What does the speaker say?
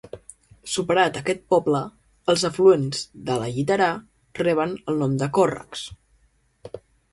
Superat aquest poble, els afluents de la Lliterà reben el nom de còrrecs.